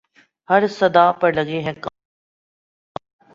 ہر صدا پر لگے ہیں کان یہاں